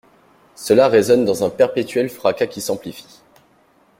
Cela résonne dans un perpétuel fracas qui s’amplifie.